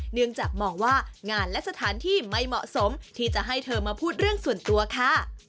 เนื่องจากมองว่างานและสถานที่ไม่เหมาะสมที่จะให้เธอมาพูดเรื่องส่วนตัวค่ะ